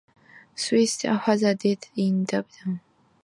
Swift's father died in Dublin about seven months before he was born.